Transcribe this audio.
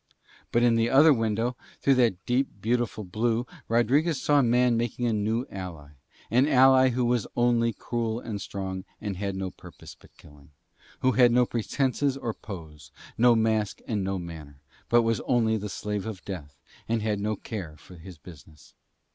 But in the other window through that deep, beautiful blue Rodriguez saw Man make a new ally, an ally who was only cruel and strong and had no purpose but killing, who had no pretences or pose, no mask and no manner, but was only the slave of Death and had no care but for his business.